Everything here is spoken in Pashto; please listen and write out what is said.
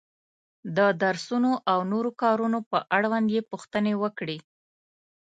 د درسونو او نورو کارونو په اړوند یې پوښتنې وکړې.